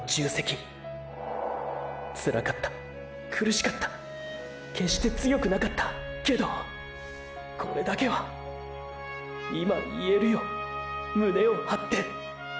つらかった苦しかった決して強くなかったけどこれだけは今言えるよ胸をはって。